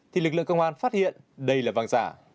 thì lực lượng công an phát hiện đây là vàng giả